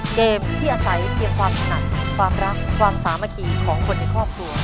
เกมที่อาศัยเพียงความถนัดความรักความสามัคคีของคนในครอบครัว